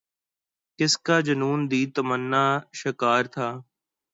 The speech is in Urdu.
کس کا جنون دید تمنا شکار تھا